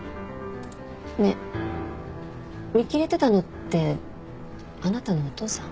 ねえ見切れてたのってあなたのお父さん？